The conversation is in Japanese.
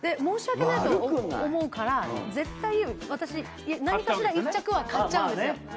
申し訳ないと思うから絶対私何かしら一着は買っちゃうんですよ。